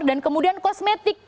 dan kemudian kosmetik